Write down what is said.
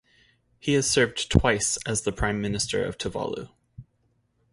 He has served twice as the Prime Minister of Tuvalu.